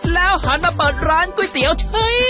แล้วหันมาเปิดร้านก๋วยเตี๋ยวเฉย